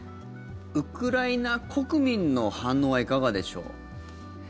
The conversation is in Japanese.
ウクライナ国民の反応はいかがでしょう。